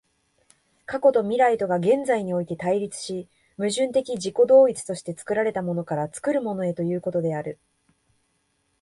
過去と未来とが現在において対立し、矛盾的自己同一として作られたものから作るものへということである。